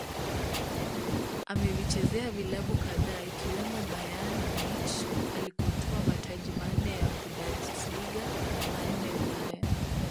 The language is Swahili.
Amevichezea vilabu kadhaa ikiwemo Bayern Munich alikotwaa mataji manne ya Bundersliga na manne Ulaya